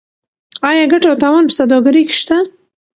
آیا ګټه او تاوان په سوداګرۍ کې شته؟